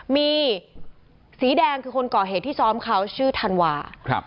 มีสีแดงคือคนก่อเหตุที่ซ้อมเขาชื่อธันวา